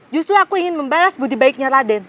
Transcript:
justru aku ingin membalas budi baiknya raden